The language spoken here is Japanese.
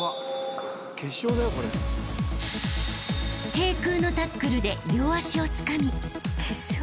［低空のタックルで両脚をつかみ］